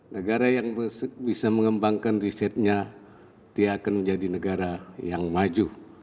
negara yang bisa mengembangkan risetnya dia akan menjadi negara yang maju